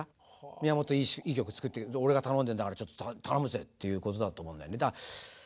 宮本いい曲作って俺が頼んでんだからちょっと頼むぜっていうことだと思うんだよね。